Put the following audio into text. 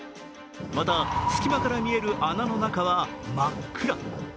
また、隙間から見える穴の中は真っ暗。